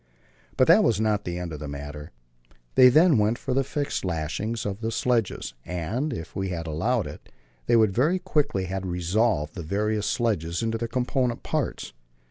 But that was not the end of the matter. They then went for the fixed lashings of the sledges, and if we had allowed it would very quickly have resolved the various sledges into their component parts.